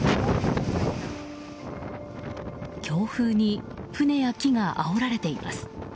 強風に船や木があおられています。